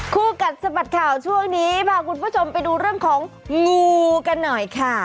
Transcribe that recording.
กัดสะบัดข่าวช่วงนี้พาคุณผู้ชมไปดูเรื่องของงูกันหน่อยค่ะ